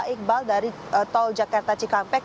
iqbal dari tol jakarta cikampek